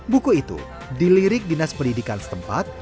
buku itu dilirik dinas pendidikan setempat